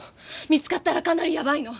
見つかったらかなりヤバイの！